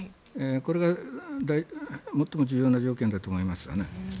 これが最も重要な条件だと思います。